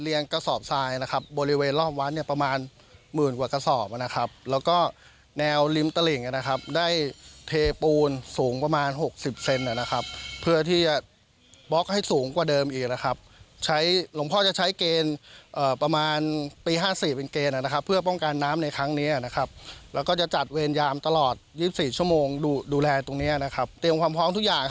กระสอบทรายนะครับบริเวณรอบวัดเนี่ยประมาณหมื่นกว่ากระสอบนะครับแล้วก็แนวริมตลิ่งนะครับได้เทปูนสูงประมาณหกสิบเซนนะครับเพื่อที่จะบล็อกให้สูงกว่าเดิมอีกนะครับใช้หลวงพ่อจะใช้เกณฑ์ประมาณปีห้าสี่เป็นเกณฑ์นะครับเพื่อป้องกันน้ำในครั้งนี้นะครับแล้วก็จะจัดเวรยามตลอด๒๔ชั่วโมงดูแลตรงเนี้ยนะครับเตรียมความพร้อมทุกอย่าง